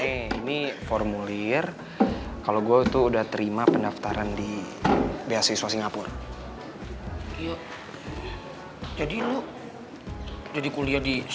ini formulir kalau gue tuh udah terima pendaftaran di beasiswa singapura